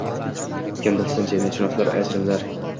Kim bilsin, jamiyatshunoslar ajrimlar